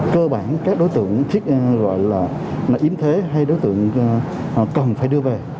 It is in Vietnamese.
cơ bản các đối tượng gọi là yếm thế hay đối tượng cần phải đưa về